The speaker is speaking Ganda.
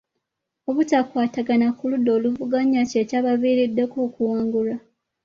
Obutakwatagana ku ludda oluvuganya kye kyabaviiriddeko okuwangulwa.